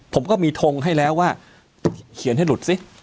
ผมก็มีทงให้แล้วว่าเขียนให้หลุดสิ